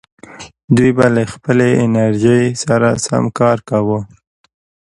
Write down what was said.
دوی به له خپلې انرژۍ سره سم کار کاوه.